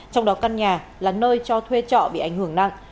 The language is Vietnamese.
trong đó căn nhà là nơi cho thuê trọ bị ảnh hưởng nặng